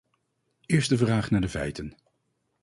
Eerst de vraag naar de feiten.